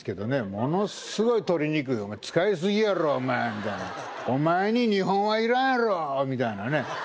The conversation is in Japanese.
ものすごいとりにくいお前使いすぎやろお前みたいなお前に２本はいらんやろみたいなね